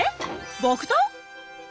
木刀？